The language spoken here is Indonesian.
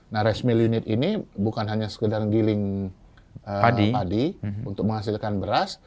nah resmi unit ini bukan hanya sekedar giling padi untuk menghasilkan beras